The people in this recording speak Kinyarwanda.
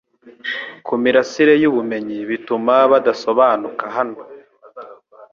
kumirasire yubumenyi bituma badasobanuka hano